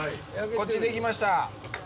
こっちできました。